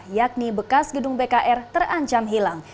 yakni bekas gedung bkr terancam hilang